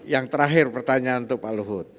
yang terakhir pertanyaan untuk pak luhut